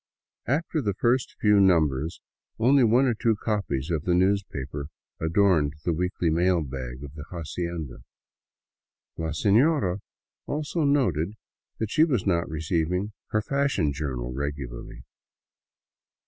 After the first few numbers only one or two copies of the newspaper adorned the weekly mail bag of the hacienda. La sefiora also noted that she was not receiving her fashion journal regularly.